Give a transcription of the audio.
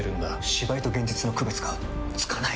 芝居と現実の区別がつかない！